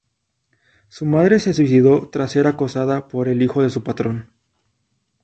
Su madre se suicidó trás ser acosada por el hijo de su patrón.